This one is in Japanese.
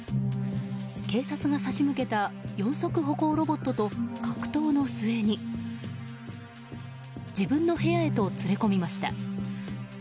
警察が差し向けた四足歩行ロボットと格闘の末に自分の部屋へと連れ込みました。